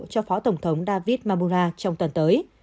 cho phó tổng thống david mamura trong tuần tới